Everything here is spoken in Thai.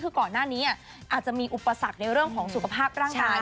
คือก่อนหน้านี้อาจจะมีอุปสรรคในเรื่องของสุขภาพร่างกาย